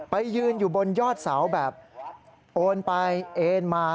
ยืนอยู่บนยอดเสาแบบโอนไปเอ็นมา